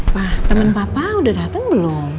pak temen papa udah dateng belum